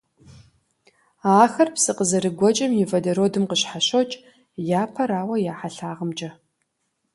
Ахэр псы къызэрыгуэкӀым и водородым къыщхьэщокӀ, япэрауэ, я хьэлъагъымкӀэ.